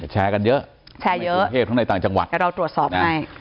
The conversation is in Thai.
แชร์กันเยอะแชร์เยอะทั้งในกรุงเทพฯทั้งในต่างจังหวัดเราตรวจสอบให้